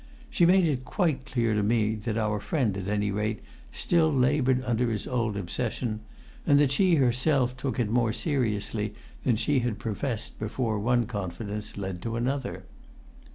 She made it quite clear to me that our friend, at any rate, still laboured under his old obsession, and that she herself took it more seriously than she had professed before one confidence led to another.